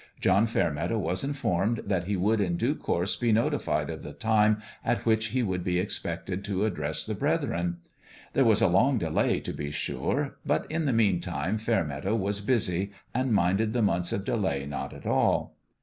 John Fair meadow was informed that he would in due course be notified of the time at which he would be expected to address the brethren. There was a long delay, to be sure ; but in the meantime Fairmeadow was busy, and minded the months of delay not at all.